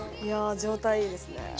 いや状態いいですね。